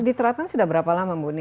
diterapkan sudah berapa lama bu ni